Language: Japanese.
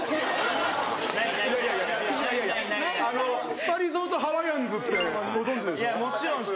スパリゾートハワイアンズってご存じでしょ？